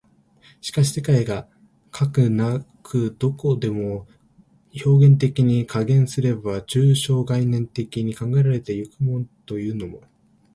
しかし世界がかく何処までも表現的に、換言すれば抽象概念的に考えられて行くというのも、